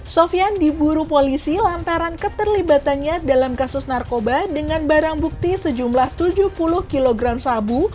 sofian diburu polisi lantaran keterlibatannya dalam kasus narkoba dengan barang bukti sejumlah tujuh puluh kg sabu